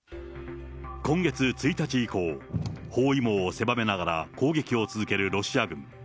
今月１日以降、包囲網を狭めながら攻撃を続けるロシア軍。